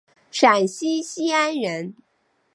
陕西西安人。